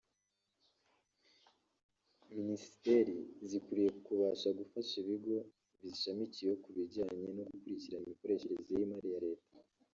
“Minisiteri zikwiriye ubu kubasha gufasha ibigo bizishamikiyeho ku bijyanye no gukurikirana imikoreshereze y’imari ya leta”